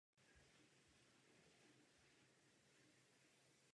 Do pěti let žila v malé vesničce poblíž Bílých Karpat.